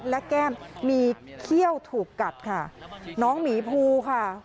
และแก้มมีเขี้ยวถูกกัดค่ะน้องหมีภูค่ะ